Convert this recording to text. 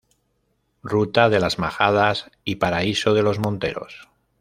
Ruta de las majadas y paraíso de los monteros.